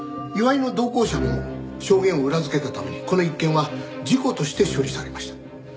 岩井の同行者も証言を裏付けたためにこの一件は事故として処理されました。